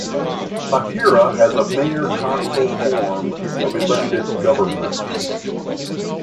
Hahira has a mayor-council form of elected government.